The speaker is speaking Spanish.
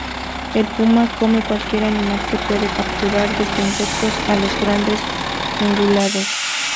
El puma come cualquier animal que pueda capturar, desde insectos a los grandes ungulados.